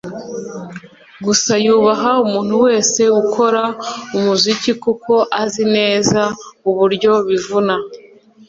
gusa yubaha umuntu wese ukora umuziki kuko azi neza uburyo bivuna